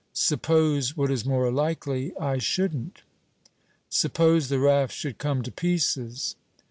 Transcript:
"Suppose, what is more likely, I shouldn't." "Suppose the raft should come to pieces."